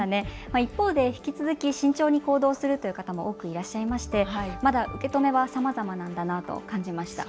一方で引き続き慎重に行動するという方も多くいらっしゃいましてまだ受け止めはさまざまなんだなと感じました。